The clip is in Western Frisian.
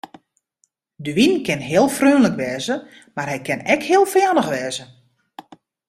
De wyn kin heel freonlik wêze mar hy kin ek heel fijannich wêze.